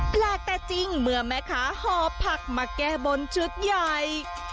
แปลกแต่จริงเมื่อแม่ค้าหอบผักมาแก้บนชุดใหญ่